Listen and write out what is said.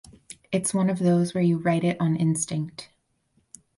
It’s one of those where you write it on instinct.